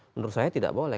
menurut saya tidak boleh